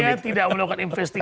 saya tidak melakukan investigasi